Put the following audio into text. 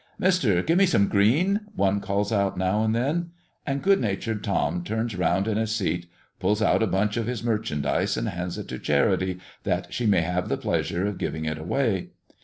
"Mister, gimme some green?" one calls out now and then. And good natured Tom turns round in his seat, pulls out a bunch of his merchandise and hands it to Charity, that she may have the pleasure of giving it away.